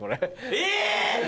え！